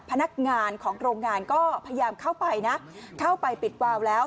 พนักงานของโรงงานก็พยายามเข้าไปนะเข้าไปปิดวาวแล้ว